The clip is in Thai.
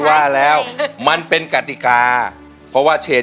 ยังไม่มีให้รักยังไม่มี